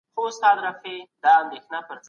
رحمان بابا د خپل زړه د احساساتو اظهار کاوه.